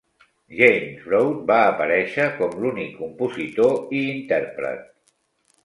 James Broad va aparèixer com l'únic compositor i intèrpret.